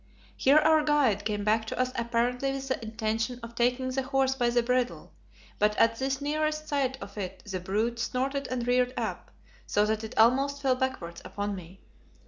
Here our guide came back to us apparently with the intention of taking the horse by the bridle, but at this nearer sight of it the brute snorted and reared up, so that it almost fell backwards upon me.